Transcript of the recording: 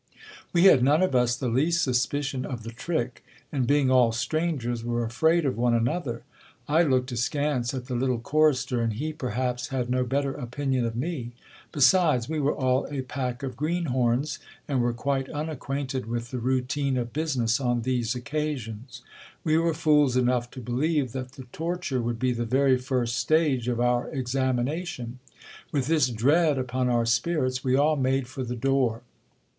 We had none of us the least suspicion of the trick, and being all strangers, were afraid of one another. I looked askance at the little chorister, and he, perhaps, had no better opinion of me. Besides, we were all a pack of green horns, and were quite unacquainted with the routine of business on these occa sions. We were fools enough to believe that the torture would be the very first stage of our examination. With this dread upon our spirits, we all made for the door.